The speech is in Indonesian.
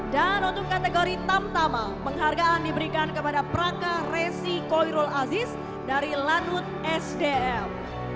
dan untuk kategori tamtama penghargaan diberikan kepada praka resi koirul aziz dari lanut sdm